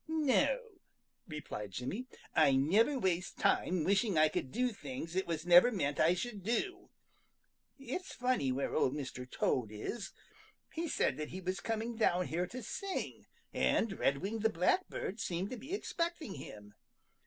"No," replied Jimmy. "I never waste time wishing I could do things it was never meant I should do. It's funny where Old Mr. Toad is. He said that he was coming down here to sing, and Redwing the Blackbird seemed to be expecting him.